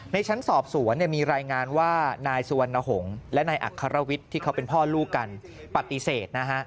ชั้นสอบสวนมีรายงานว่านายสุวรรณหงษ์และนายอัครวิทย์ที่เขาเป็นพ่อลูกกันปฏิเสธนะฮะ